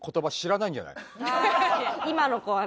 今の子はね。